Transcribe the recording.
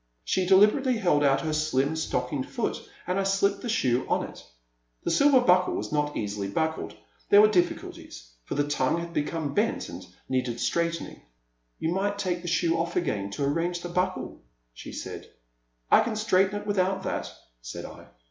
She deliberately held out her slim stockinged foot, and I slipped the shoe on it. The silver buckle was not easily buckled. There were difficulties — for the tongue had be come bent and needed straightening. You might take the shoe off again to arrange the buckle, she said. I can straighten it without that,*' said I.